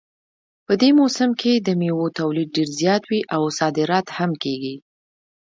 په دې موسم کې د میوو تولید ډېر زیات وي او صادرات هم کیږي